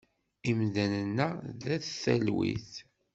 Imdanen-a d at talwit.